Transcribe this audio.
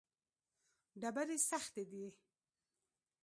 ډبرې سختې دي.